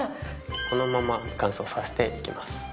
そのまま乾燥させていきます。